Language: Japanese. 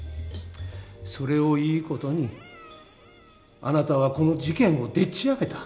それをいい事にあなたはこの事件をでっちあげた。